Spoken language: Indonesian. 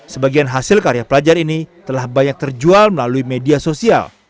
sebagian hasil karya pelajar ini telah banyak terjual melalui media sosial